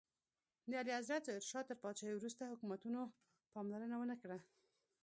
د اعلیحضرت ظاهر شاه تر پاچاهۍ وروسته حکومتونو پاملرنه ونکړه.